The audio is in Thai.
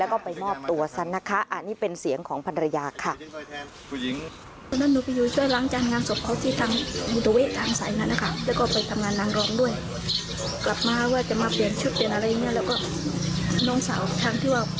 กลับมาว่าจะมาเปลี่ยนชุดเปลี่ยนอะไรอย่างเงี้ยแล้วก็น้องสาวทางที่ว่า